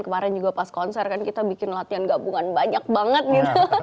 kemarin juga pas konser kan kita bikin latihan gabungan banyak banget gitu